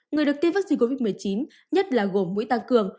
người được tiêm vaccine covid một mươi chín nhất là gồm mũi tăng cường